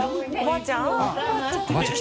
あっおばあちゃん？